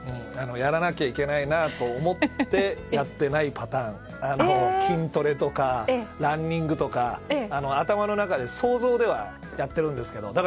やらなきゃいけないなと思ってやっていないパターンで筋トレとかランニングとか頭の中で想像ではやってるんですけど。